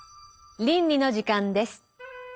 倫理の時間です。